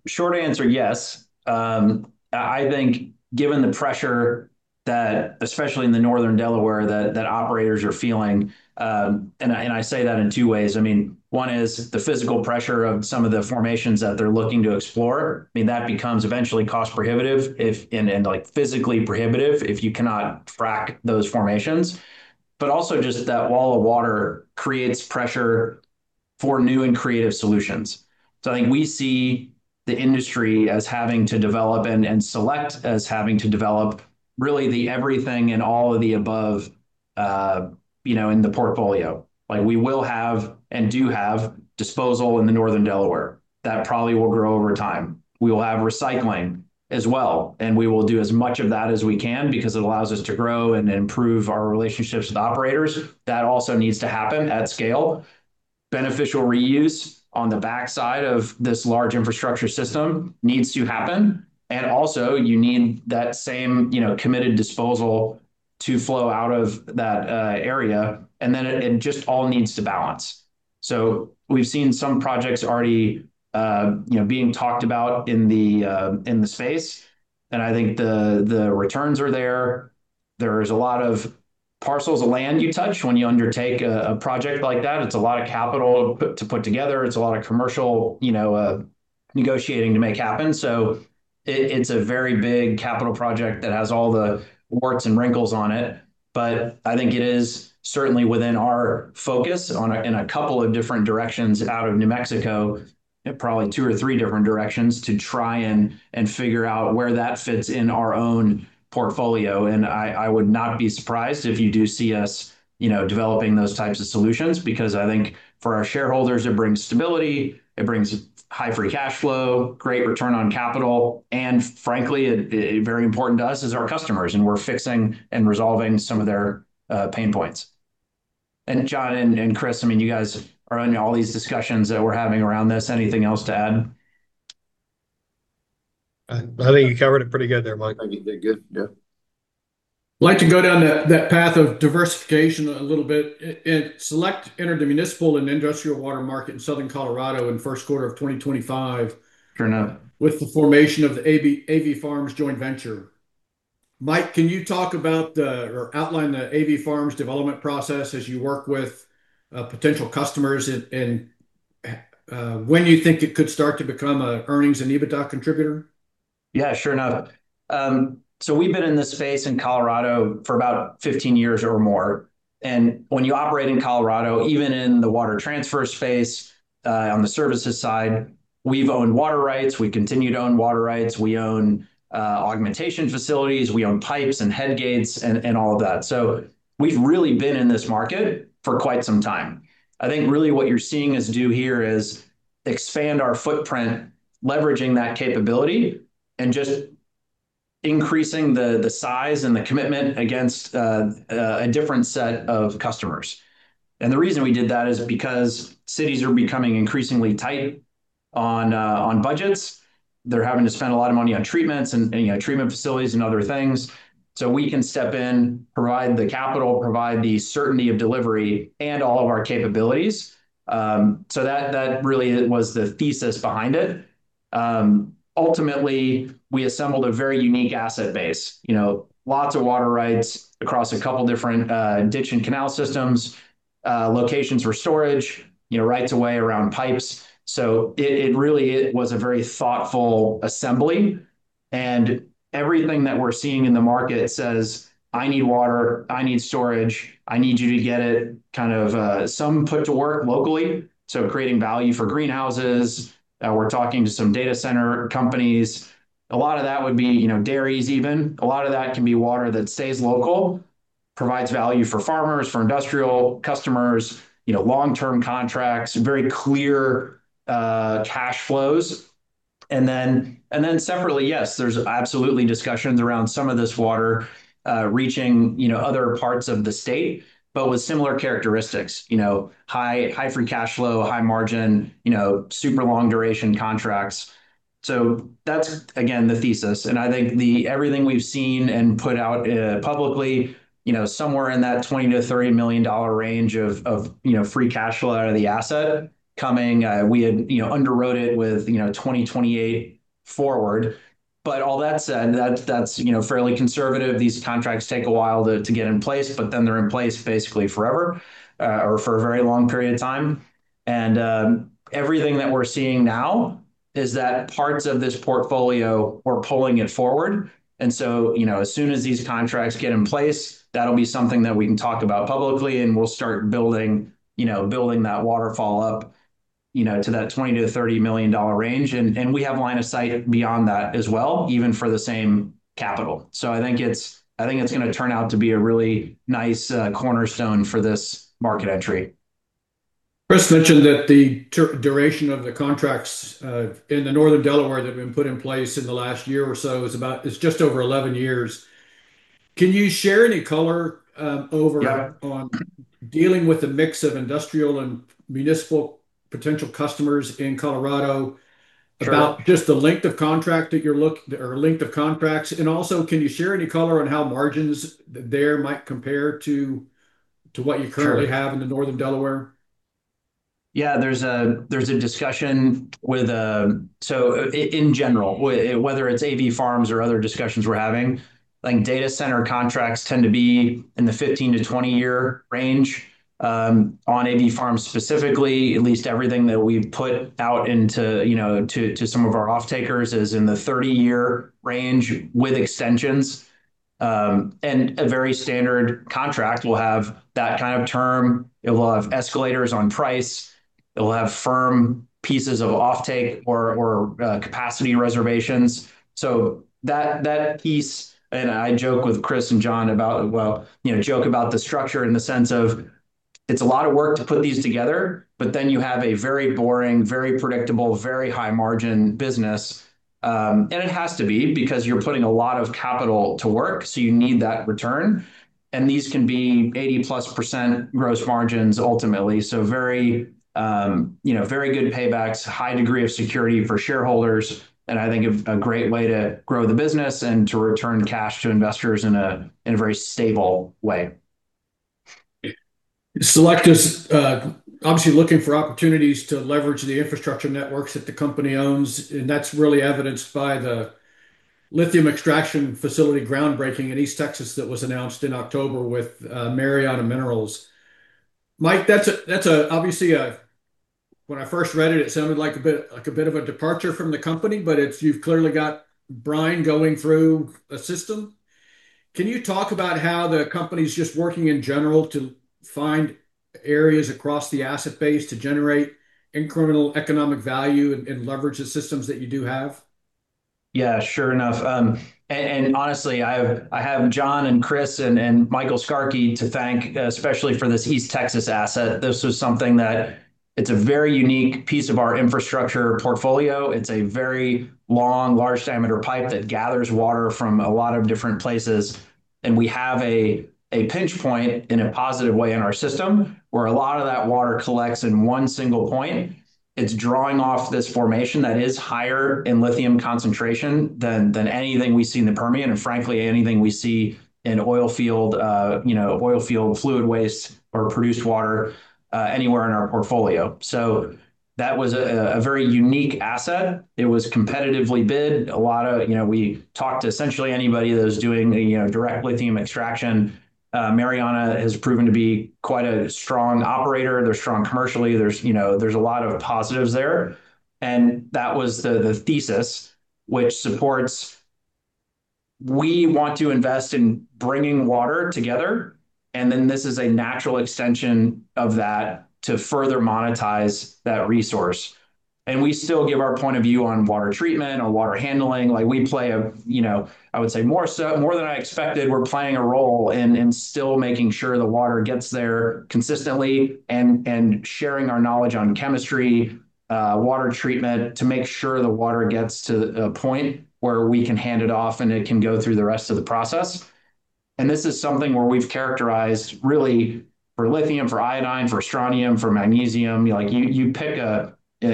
Speaker 3: Short answer, yes. I think given the pressure that especially in the Northern Delaware that operators are feeling, and I say that in two ways. I mean, one is the physical pressure of some of the formations that they're looking to explore. I mean, that becomes eventually cost prohibitive and physically prohibitive if you cannot track those formations, but also just that wall of water creates pressure for new and creative solutions, so I think we see the industry as having to develop and Select as having to develop really the everything and all of the above in the portfolio. We will have and do have disposal in the Northern Delaware. That probably will grow over time. We will have recycling as well. And we will do as much of that as we can because it allows us to grow and improve our relationships with operators. That also needs to happen at scale. Beneficial reuse on the backside of this large infrastructure system needs to happen, and also you need that same committed disposal to flow out of that area, and then it just all needs to balance, so we've seen some projects already being talked about in the space, and I think the returns are there. There is a lot of parcels of land you touch when you undertake a project like that. It's a lot of capital to put together. It's a lot of commercial negotiating to make happen, so it's a very big capital project that has all the warts and wrinkles on it, but I think it is certainly within our focus in a couple of different directions out of New Mexico, probably two or three different directions to try and figure out where that fits in our own portfolio. I would not be surprised if you do see us developing those types of solutions because I think for our shareholders, it brings stability. It brings high free cash flow, great return on capital. And frankly, very important to us as our customers. And we're fixing and resolving some of their pain points. And John and Chris, I mean, you guys are on all these discussions that we're having around this. Anything else to add?
Speaker 2: I think you covered it pretty good there, Mike.
Speaker 4: I think you did good. Yeah.
Speaker 1: I'd like to go down that path of diversification a little bit and Select entered the municipal and industrial water market in Southern Colorado in first quarter of 2025 with the formation of the AV Farms joint venture. Mike, can you talk about or outline the AV Farms development process as you work with potential customers and when you think it could start to become an earnings and EBITDA contributor?
Speaker 3: Yeah, sure enough. So we've been in this space in Colorado for about 15 years or more. And when you operate in Colorado, even in the water transfer space on the services side, we've owned water rights. We continue to own water rights. We own augmentation facilities. We own pipes and head gates and all of that. So we've really been in this market for quite some time. I think really what you're seeing us do here is expand our footprint, leveraging that capability and just increasing the size and the commitment against a different set of customers. And the reason we did that is because cities are becoming increasingly tight on budgets. They're having to spend a lot of money on treatments and treatment facilities and other things. So we can step in, provide the capital, provide the certainty of delivery and all of our capabilities. So that really was the thesis behind it. Ultimately, we assembled a very unique asset base, lots of water rights across a couple of different ditch and canal systems, locations for storage, rights-of-way around pipes. So it really was a very thoughtful assembly. And everything that we're seeing in the market says, "I need water. I need storage. I need you to get it," kind of some put to work locally. So creating value for greenhouses. We're talking to some data center companies. A lot of that would be dairies even. A lot of that can be water that stays local, provides value for farmers, for industrial customers, long-term contracts, very clear cash flows. And then separately, yes, there's absolutely discussions around some of this water reaching other parts of the state, but with similar characteristics, high free cash flow, high margin, super long duration contracts. So that's, again, the thesis. And I think everything we've seen and put out publicly, somewhere in that $20-$30 million range of free cash flow out of the asset coming. We had underwrote it with 2028 forward. But all that said, that's fairly conservative. These contracts take a while to get in place, but then they're in place basically forever or for a very long period of time. And everything that we're seeing now is that parts of this portfolio, we're pulling it forward. And so as soon as these contracts get in place, that'll be something that we can talk about publicly and we'll start building that waterfall up to that $20 million-$30 million range. And we have line of sight beyond that as well, even for the same capital. So I think it's going to turn out to be a really nice cornerstone for this market entry.
Speaker 1: Chris mentioned that the duration of the contracts in the Northern Delaware that have been put in place in the last year or so is just over 11 years. Can you share any color over on dealing with the mix of industrial and municipal potential customers in Colorado about just the length of contract that you're looking or length of contracts? And also, can you share any color on how margins there might compare to what you currently have in the Northern Delaware? Yeah, there's a discussion with, so in general, whether it's AV Farms or other discussions we're having, data center contracts tend to be in the 15-20 year range. On AV Farms specifically, at least everything that we've put out into some of our offtakers is in the 30-year range with extensions. And a very standard contract will have that kind of term. It will have escalators on price. It will have firm pieces of offtake or capacity reservations. So that piece, and I joke with Chris and John about the structure in the sense of it's a lot of work to put these together, but then you have a very boring, very predictable, very high margin business. And it has to be because you're putting a lot of capital to work. So you need that return. These can be 80%+ gross margins ultimately. Very good paybacks, high degree of security for shareholders. I think a great way to grow the business and to return cash to investors in a very stable way. Select is obviously looking for opportunities to leverage the infrastructure networks that the company owns, and that's really evidenced by the lithium extraction facility groundbreaking in East Texas that was announced in October with Marianas Minerals. Mike, that's obviously, when I first read it, it sounded like a bit of a departure from the company, but you've clearly got brine going through a system. Can you talk about how the company's just working in general to find areas across the asset base to generate incremental economic value and leverage the systems that you do have?
Speaker 3: Yeah, sure enough and honestly, I have John and Chris and Michael Skarke to thank especially for this East Texas asset. This was something that it's a very unique piece of our infrastructure portfolio. It's a very long, large diameter pipe that gathers water from a lot of different places. And we have a pinch point in a positive way in our system where a lot of that water collects in one single point. It's drawing off this formation that is higher in lithium concentration than anything we see in the Permian and frankly, anything we see in oilfield, oilfield fluid waste or produced water anywhere in our portfolio. So that was a very unique asset. It was competitively bid. A lot of we talked to essentially anybody that was doing direct lithium extraction. Marianas has proven to be quite a strong operator. They're strong commercially. There's a lot of positives there, and that was the thesis which supports we want to invest in bringing water together, and then this is a natural extension of that to further monetize that resource, and we still give our point of view on water treatment or water handling. We play a, I would say, more than I expected, we're playing a role in still making sure the water gets there consistently and sharing our knowledge on chemistry, water treatment to make sure the water gets to a point where we can hand it off and it can go through the rest of the process, and this is something where we've characterized really for lithium, for iodine, for strontium, for magnesium. You pick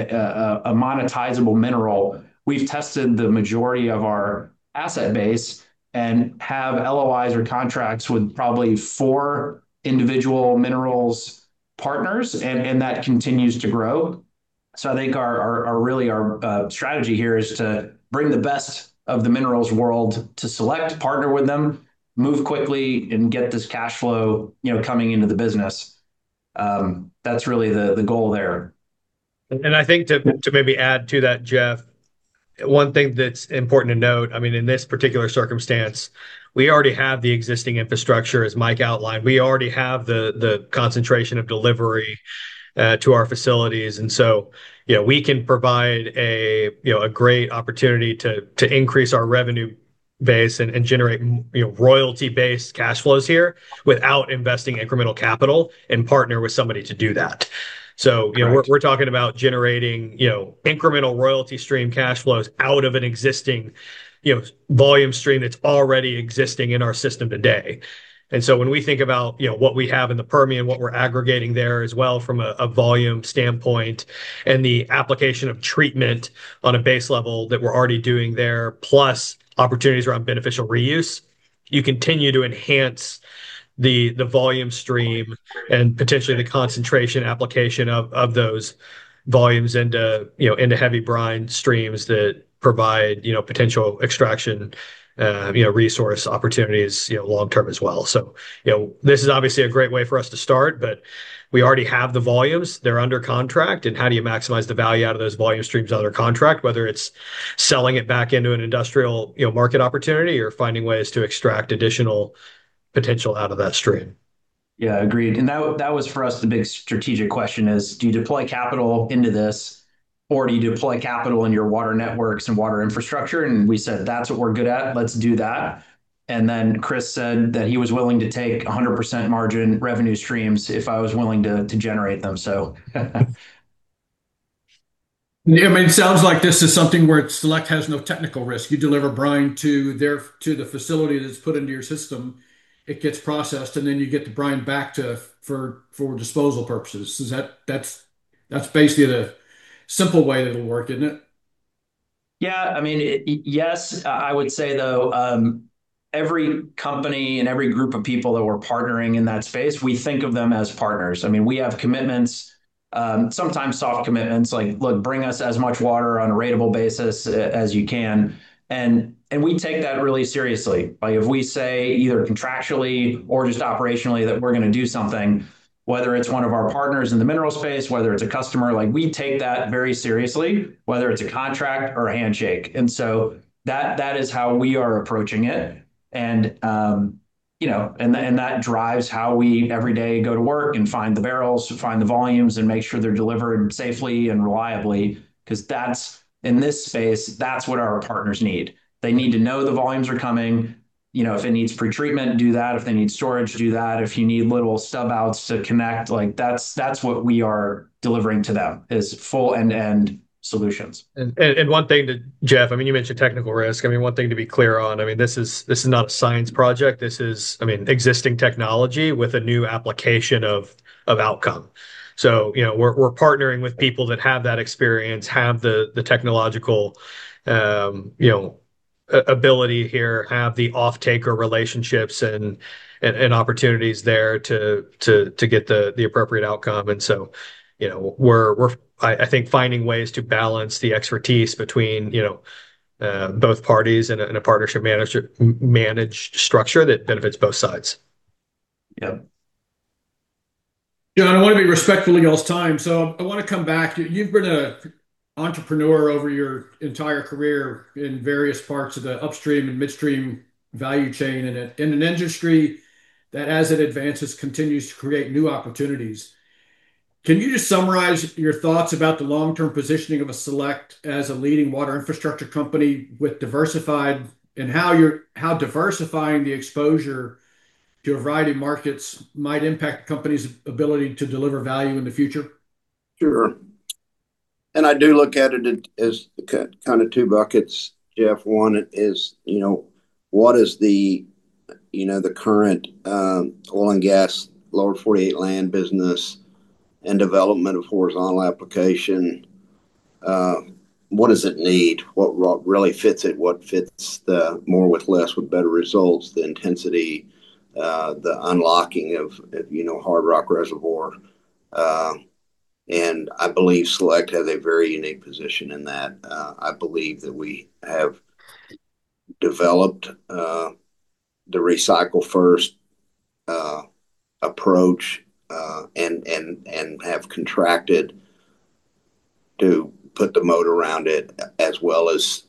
Speaker 3: a monetizable mineral. We've tested the majority of our asset base and have LOIs or contracts with probably four individual minerals partners, and that continues to grow. So I think really our strategy here is to bring the best of the minerals world to Select, partner with them, move quickly and get this cash flow coming into the business. That's really the goal there.
Speaker 2: And I think to maybe add to that, Jeff, one thing that's important to note, I mean, in this particular circumstance, we already have the existing infrastructure as Mike outlined. We already have the concentration of delivery to our facilities. And so we can provide a great opportunity to increase our revenue base and generate royalty-based cash flows here without investing incremental capital and partner with somebody to do that, so we're talking about generating incremental royalty stream cash flows out of an existing volume stream that's already existing in our system today. And so when we think about what we have in the Permian, what we're aggregating there as well from a volume standpoint and the application of treatment on a base level that we're already doing there, plus opportunities around beneficial reuse, you continue to enhance the volume stream and potentially the concentration application of those volumes into heavy brine streams that provide potential extraction resource opportunities long term as well. So this is obviously a great way for us to start, but we already have the volumes. They're under contract. And how do you maximize the value out of those volume streams under contract, whether it's selling it back into an industrial market opportunity or finding ways to extract additional potential out of that stream?
Speaker 3: Yeah, agreed. And that was for us the big strategic question is, do you deploy capital into this or do you deploy capital in your water networks and Water Infrastructure? And we said, "That's what we're good at. Let's do that." And then Chris said that he was willing to take 100% margin revenue streams if I was willing to generate them. So.
Speaker 1: I mean, it sounds like this is something where Select has no technical risk. You deliver brine to the facility that's put into your system. It gets processed and then you get the brine back to us for disposal purposes. That's basically the simple way that it'll work, isn't it?
Speaker 3: Yeah. I mean, yes. I would say though, every company and every group of people that we're partnering in that space, we think of them as partners. I mean, we have commitments, sometimes soft commitments like, "Look, bring us as much water on a ratable basis as you can." And we take that really seriously. If we say either contractually or just operationally that we're going to do something, whether it's one of our partners in the mineral space, whether it's a customer, we take that very seriously, whether it's a contract or a handshake. And so that is how we are approaching it. And that drives how we every day go to work and find the barrels, find the volumes and make sure they're delivered safely and reliably because in this space, that's what our partners need. They need to know the volumes are coming. If it needs pretreatment, do that. If they need storage, do that. If you need little stub outs to connect, that's what we are delivering to them is full end-to-end solutions.
Speaker 2: One thing that, Jeff, I mean, you mentioned technical risk. I mean, one thing to be clear on, I mean, this is not a science project. This is, I mean, existing technology with a new application of outcome. So we're partnering with people that have that experience, have the technological ability here, have the off-taker relationships and opportunities there to get the appropriate outcome. And so we're, I think, finding ways to balance the expertise between both parties and a partnership managed structure that benefits both sides.
Speaker 4: Yeah.
Speaker 1: John, I want to be respectful of y'all's time, so I want to come back. You've been an entrepreneur over your entire career in various parts of the upstream and midstream value chain in an industry that, as it advances, continues to create new opportunities. Can you just summarize your thoughts about the long-term positioning of Select as a leading Water Infrastructure company with diversified and how diversifying the exposure to a variety of markets might impact a company's ability to deliver value in the future?
Speaker 4: Sure. And I do look at it as kind of two buckets, Jeff. One is, what is the current oil and gas, Lower 48 land business and development of horizontal application? What does it need? What really fits it? What fits the more with less with better results, the intensity, the unlocking of hard rock reservoir? And I believe Select has a very unique position in that. I believe that we have developed the Recycle First approach and have contracted to put the moat around it as well as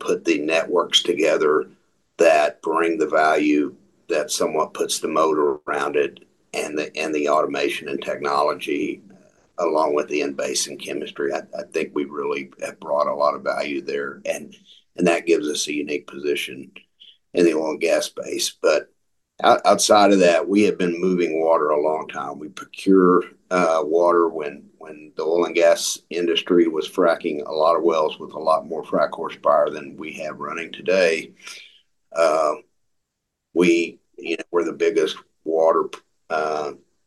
Speaker 4: put the networks together that bring the value that somewhat puts the moat around it and the automation and technology along with the in-basin and chemistry. I think we really have brought a lot of value there. And that gives us a unique position in the oil and gas space. But outside of that, we have been moving water a long time. We procure water when the oil and gas industry was fracturing a lot of wells with a lot more frac horsepower than we have running today. We were the biggest water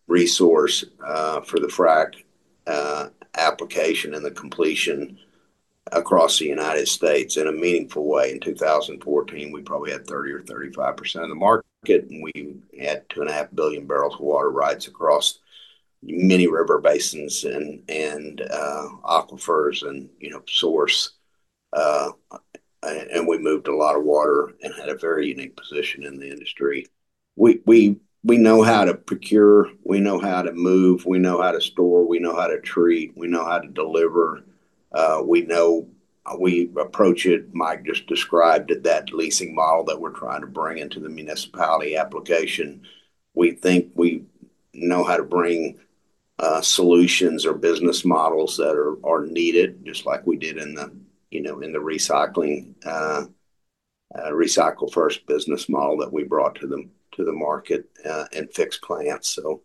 Speaker 4: resource for the frac application and the completion across the United States in a meaningful way. In 2014, we probably had 30% or 35% of the market. And we had two and a half billion barrels of water rights across many river basins and aquifers and source. And we moved a lot of water and had a very unique position in the industry. We know how to procure. We know how to move. We know how to store. We know how to treat. We know how to deliver. We approach it, Mike just described, that leasing model that we're trying to bring into the municipality application. We think we know how to bring solutions or business models that are needed, just like we did in the recycling, recycle first business model that we brought to the market and fixed plants, so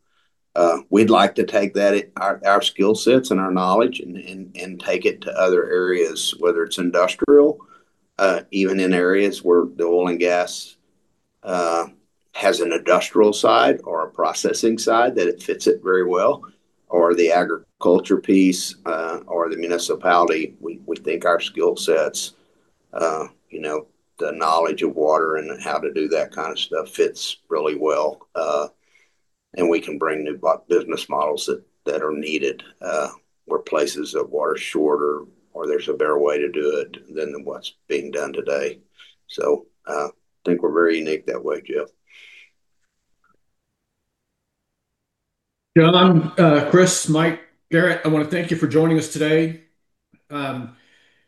Speaker 4: we'd like to take our skill sets and our knowledge and take it to other areas, whether it's industrial, even in areas where the oil and gas has an industrial side or a processing side that it fits it very well, or the agriculture piece or the municipality. We think our skill sets, the knowledge of water and how to do that kind of stuff fits really well, and we can bring new business models that are needed where water is shorter or there's a better way to do it than what's being done today, so I think we're very unique that way, Jeff.
Speaker 1: John, Chris, Mike, Garrett, I want to thank you for joining us today.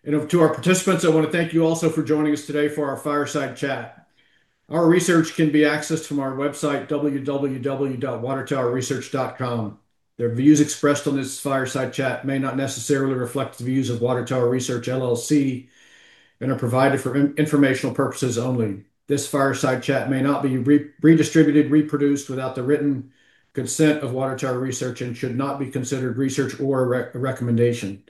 Speaker 1: And to our participants, I want to thank you also for joining us today for our fireside chat. Our research can be accessed from our website, www.watertowersearch.com. The views expressed on this fireside chat may not necessarily reflect the views of Water Tower Research LLC and are provided for informational purposes only. This fireside chat may not be redistributed, reproduced without the written consent of Water Tower Research and should not be considered research or a recommendation.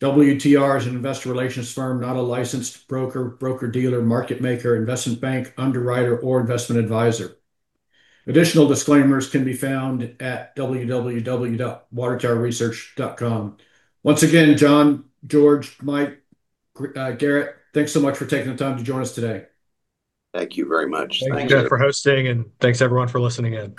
Speaker 1: WTR is an investor relations firm, not a licensed broker, broker dealer, market maker, investment bank, underwriter, or investment advisor. Additional disclaimers can be found at www.watertowersearch.com. Once again, John, George, Mike, Garrett, thanks so much for taking the time to join us today.
Speaker 4: Thank you very much.
Speaker 2: Thank you, Jeff, for hosting. And thanks everyone for listening in.